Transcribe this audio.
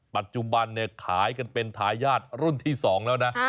ปัจจุบันเนี่ยขายกันเป็นทายาทรุ่นที่๒แล้วนะ